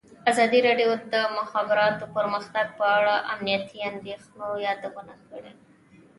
ازادي راډیو د د مخابراتو پرمختګ په اړه د امنیتي اندېښنو یادونه کړې.